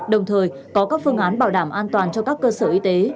đồng thời có các phương án bảo đảm an toàn cho các cơ sở y tế